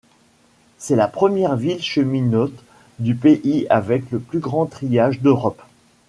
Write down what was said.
C'est la première ville cheminote du pays avec le plus grand triage d’Europe.